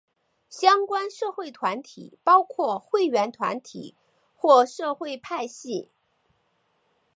相关社会团体包括会员团体或社会派系。